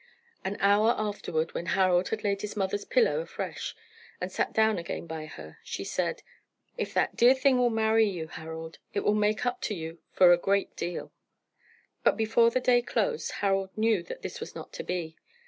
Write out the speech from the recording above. An hour afterward, when Harold had laid his mother's pillow afresh, and sat down again by her, she said "If that dear thing will marry you, Harold, it will make up to you for a great deal." But before the day closed Harold knew that this was not to be.